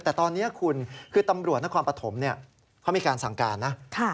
แต่ตอนนี้คุณคือตำรวจนครปฐมเขามีการสั่งการนะ